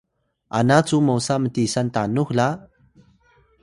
ana cu mosa mtisan tanux la?